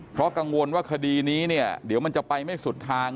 เพราะกังวลว่าคดีนี้เนี่ยเดี๋ยวมันจะไปไม่สุดทาง